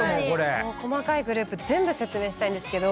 細かいグループ全部説明したいんですけど。